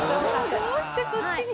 どうしてそっちに。